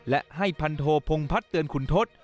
และให้พันโทพงพัฒน์เตือนขุนทศ